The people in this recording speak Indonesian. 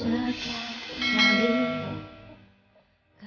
tidak ada yang bisa dikira